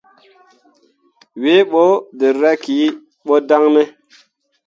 Wǝǝ ɓo jerra ki ɓo dan ne ?